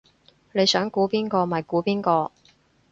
你想估邊個咪估邊個